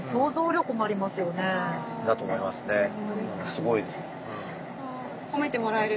すごいです。